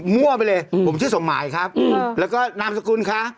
มั่วไปเลยอืมผมชื่อสมหมายครับอืมแล้วก็นามสกุลคะ